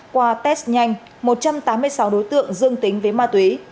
qua test nhanh một trăm tám mươi sáu đối tượng dương tính với ma túy